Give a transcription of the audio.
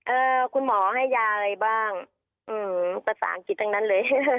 คุณหมอให้ยาอะไรบ้างอืมภาษาอังกฤษทั้งนั้นเลย